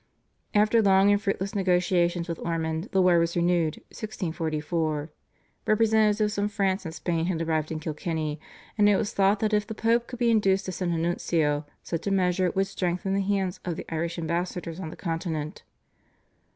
After long and fruitless negotiations with Ormond the war was renewed (1644). Representatives from France and Spain had arrived in Kilkenny, and it was thought that if the Pope could be induced to send a nuncio such a measure would strengthen the hands of the Irish ambassadors on the Continent.